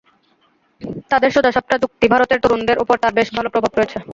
তাদের সোজাসাপ্টা যুক্তি, ভারতের তরুণদের ওপর তাঁর বেশ ভালো প্রভাব রয়েছে।